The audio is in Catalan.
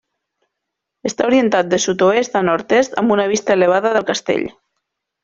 Està orientat de sud-oest a nord-est, amb una vista elevada del castell.